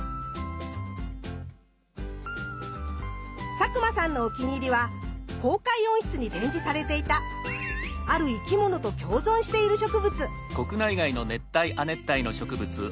佐久間さんのお気に入りは公開温室に展示されていたある生き物と共存している植物。